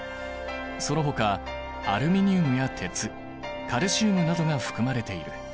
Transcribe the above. そのほかアルミニウムや鉄カルシウムなどが含まれている。